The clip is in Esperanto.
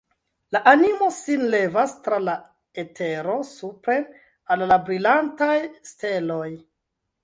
La animo sin levas tra la etero supren, al la brilantaj steloj!